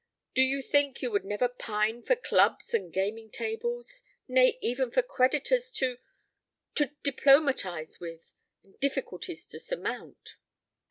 Do you think you would never pine for clubs and gaming tables nay, even for creditors to to diplomatize with, and difficulties to surmount?"